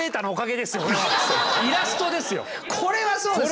これはそうですね。